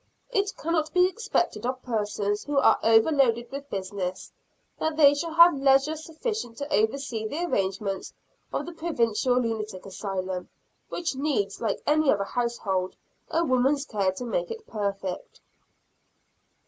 It cannot be expected of persons who are over loaded with business, that they shall have leisure sufficient to oversee the arrangements of the Provincial Lunatic Asylum, which needs, like any other household, a woman's care to make it perfect.